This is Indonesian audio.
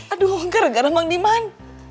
aduh enggak regar emang diman